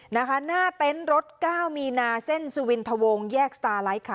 นะคะหน้าเต็นรถก้าวมีนาเส้นสุวินทะวงแยกสตาร์ไลท์ค่ะ